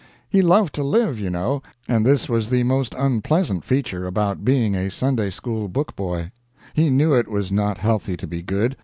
He loved to live, you know, and this was the most unpleasant feature about being a Sunday school book boy. He knew it was not healthy to be good.